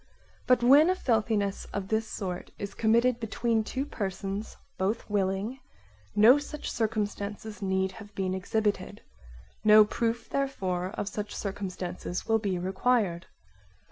But when a filthiness of this sort is committed between two persons, both willing, no such circumstances need have been exhibited; no proof therefore of such circumstances will be required.